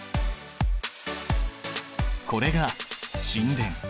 これが沈殿。